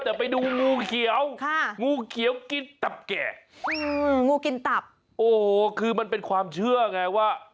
แต่ไปดูงูเขียวงูเขียวกินตับแกะงูกินตับโอ้โหคือมันเป็นความเชื่อไงว่า